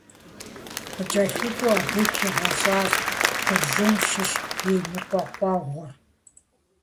Къыкӏэлъыкӏуэу абы хигъэщӏащ Куржым щыщ и ныкъуэкъуэгъур.